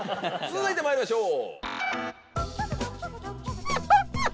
続いてまいりましょう。